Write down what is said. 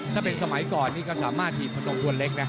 ถ้าเป็นสมัยก่อนนี่ก็สามารถถีบพนมทวนเล็กนะ